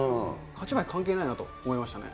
勝ち負け関係ないなと思いましたね。